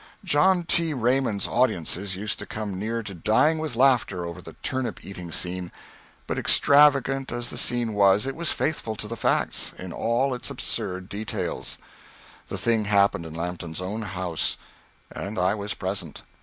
John T. Raymond's audiences used to come near to dying with laughter over the turnip eating scene; but, extravagant as the scene was, it was faithful to the facts, in all its absurd details. The thing happened in Lampton's own house, and I was present.